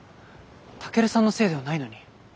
健さんのせいではないのに。